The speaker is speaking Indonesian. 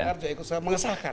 kemudian dpr juga mengesahkan